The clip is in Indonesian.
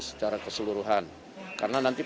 secara keseluruhan karena nanti